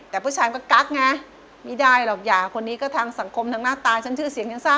แต่ผู้ชายก็ก๊ากงั้งงั่งไม่ได้หรอก